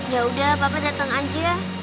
yaudah papa dateng aja